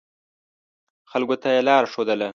خلکو ته یې لاره ښودله.